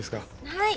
はい。